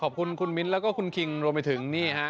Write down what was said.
ขอบคุณคุณมิ้นแล้วก็คุณคิงรวมไปถึงนี่ฮะ